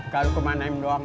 kalau ke rumah naim doang